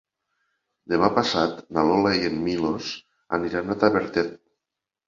Demà passat na Lola i en Milos aniran a Tavertet.